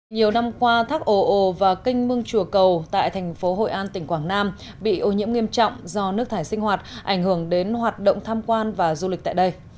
nhiều năm qua thác ổ và kênh mương chùa cầu tại thành phố hội an tỉnh quảng nam bị ô nhiễm nghiêm trọng do nước thải sinh hoạt ảnh hưởng đến hoạt động tham quan và du lịch tại đây